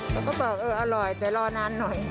เขาก็บอกเอออร่อยแต่รอนานหน่อย